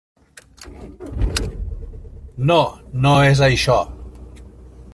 No, no és això.